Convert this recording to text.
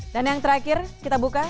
dan yang terakhir kita buka